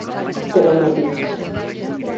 Pero hai matices.